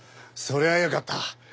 そりゃよかった。